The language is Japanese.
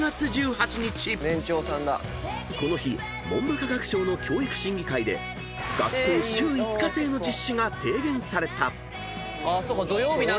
［この日文部科学省の教育審議会で学校週５日制の実施が提言された］